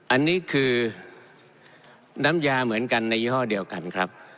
อันนี้คือน้ำยาเหมือนกันในยี่ห้อเดียวกันครับ